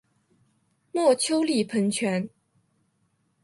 墨丘利喷泉。